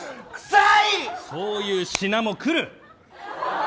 そういう品も来る！